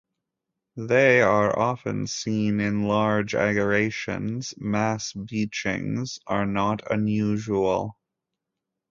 They are often seen in large aggregations; mass beachings are not unusual.